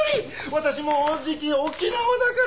私もうじき沖縄だから！